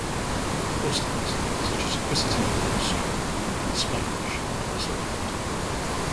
Horsetails such as "Equisetum palustre" and spikerush are also found.